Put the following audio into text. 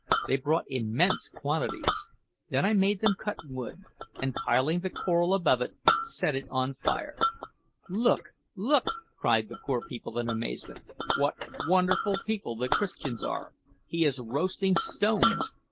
They brought immense quantities. Then I made them cut wood, and piling the coral above it, set it on fire. "`Look! look!' cried the poor people in amazement; `what wonderful people the Christians are! He is roasting stones!